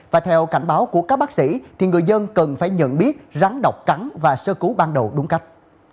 và theo cảnh báo của các bác sĩ thì người dân cần phải nhận biết rắn đọc cắn và sơ cứu ban đầu đúng cách